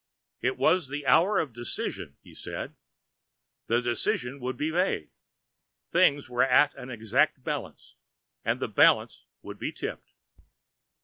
It was the hour of decision, he said. The decision would be made. Things were at an exact balance, and the balance would be tipped.